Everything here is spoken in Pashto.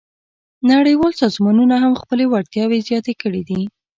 نړیوال سازمانونه هم خپلې وړتیاوې زیاتې کړې دي